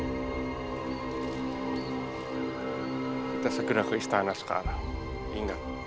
kita segera ke istana sekarang ingat